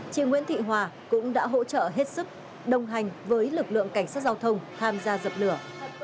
chị nguyễn thị hòa cũng đã hỗ trợ hết sức đồng hành với lực lượng cảnh sát giao thông tham gia dập lửa